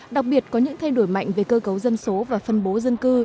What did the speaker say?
đặc biệt có những thay đổi mạnh về cơ cấu dân số và phân bố dân cư